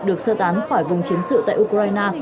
được sơ tán khỏi vùng chiến sự tại ukraine